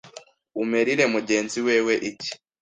umerire mugenzi wewe iki.